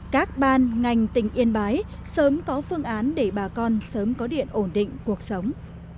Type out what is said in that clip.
các ban ngành tỉnh yên bái sớm có phương án để bà con sớm có điện ổn định cuộc sống